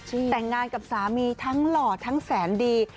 แต่งงานกับสามีทั้งหล่อทั้งแสนดี